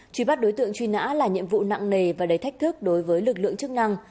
truy bắt đối tượng truy nã là nhiệm vụ nặng nề và đầy thách thức đối với lực lượng chức năng